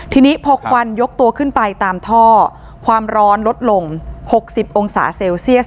ทีนี้พอควันยกตัวขึ้นไปตามท่อความร้อนลดลง๖๐องศาเซลเซียส